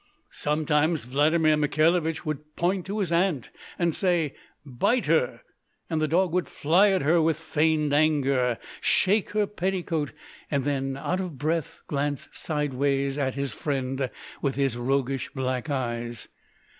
Sometimes Vladimir Mikhailovich would point to his Aunt and say, "Bite her!" and the dog would fly at her in feigned anger, shake her petticoat, and then, out of breath, glance sideways at his friend with his roguish black eyes.